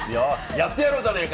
やってやろうじゃないか！